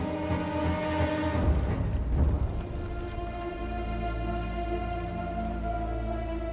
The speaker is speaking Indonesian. ikan itu mau kemana